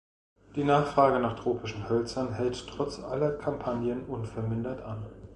Die Nachfrage nach tropischen Hölzern hält trotz aller Kampagnen unvermindert an.